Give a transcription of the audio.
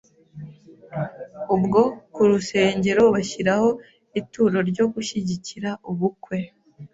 ubwo ku rusengero bashyiraho ituro ryo gushyigikira ubukwe